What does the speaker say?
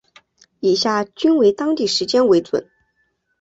以下均为当地时间为准。